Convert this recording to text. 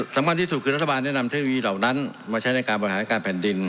สำคัญที่สุดคือรัฐบาลแนะนำเทคโนโลยีเหล่านั้นมาใช้ในการบริหารการแผ่นดิน